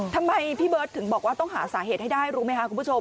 ทำไมพี่เบิร์ตถึงบอกว่าต้องหาสาเหตุให้ได้รู้ไหมคะคุณผู้ชม